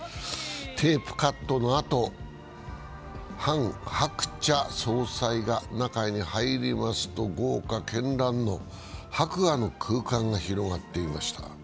テープカットのあと、ハン・ハクチャ総裁が中に入りますと、豪華絢爛の白亜の空間が広がっていました。